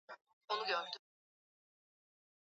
david kirbu aliizungukwa na familia yake